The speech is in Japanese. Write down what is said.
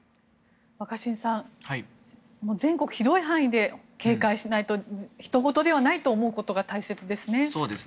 若新さん、全国広い範囲で警戒しないとひとごとではないと思うことが大切ですね。